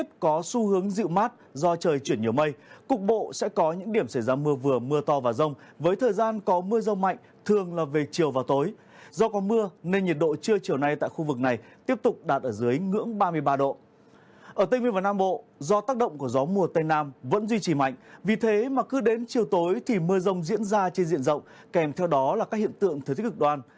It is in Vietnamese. tây nguyên và nam bộ do tác động của gió mùa tây nam vẫn duy trì mạnh vì thế mà cứ đến chiều tối thì mưa rồng diễn ra trên diện rộng kèm theo đó là các hiện tượng thời tiết cực đoan